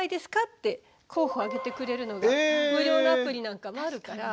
って候補挙げてくれるのが無料のアプリなんかもあるから。